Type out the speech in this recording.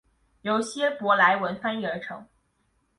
由希伯来文翻译而成。